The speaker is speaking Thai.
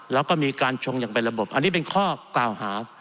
แล้วก็มีการชงอย่างเป็นระบบอันนี้เป็นข้อกล่าวหา